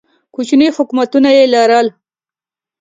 کوچني حکومتونه یې لرل